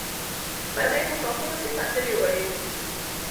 مرغۍ په ښاخونو کې سندرې وایي.